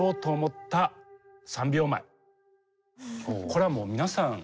これはもう皆さん